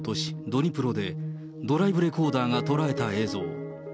ドニプロで、ドライブレコーダーが捉えた映像。